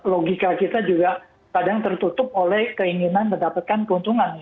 logika kita juga kadang tertutup oleh keinginan mendapatkan keuntungan